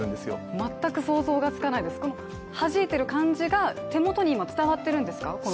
全く想像がつかないです、はじいている感じが手元に今、伝わってるんですか。